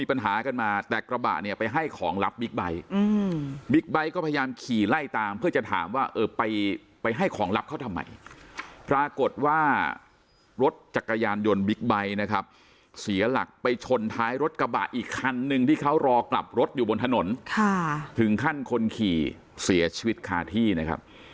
รถจักรยานยนต์บิ๊กไบท์นะครับเสียหลักไปชนท้ายรถกระบะอีกคันนึงที่เขารอกลับรถอยู่บนถนนถึงขั้นคนขี่เสียชีวิตคาที่นะครับ